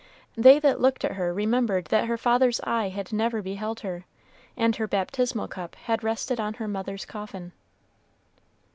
They that looked at her remembered that her father's eye had never beheld her, and her baptismal cup had rested on her mother's coffin.